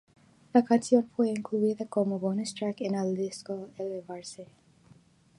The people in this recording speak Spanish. La canción fue incluida como bonus track en el disco 'elevarse'.